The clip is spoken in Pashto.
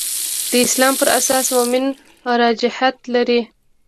د اسلام پر اساس مومن ارجحیت لري.